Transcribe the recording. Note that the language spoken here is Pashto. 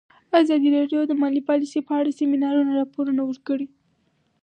ازادي راډیو د مالي پالیسي په اړه د سیمینارونو راپورونه ورکړي.